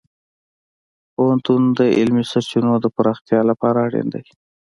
پوهنتون د علمي سرچینو د پراختیا لپاره اړین دی.